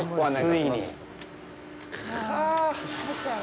ついに。